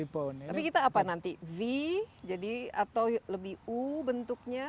tapi kita apa nanti v jadi atau lebih u bentuknya